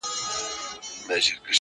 o زه د بـلا سـره خـبري كـوم.